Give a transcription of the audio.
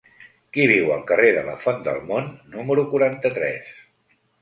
Qui viu al carrer de la Font del Mont número quaranta-tres?